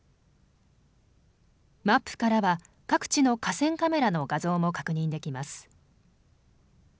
マップからは各地の河川カメラの画像も確認できます。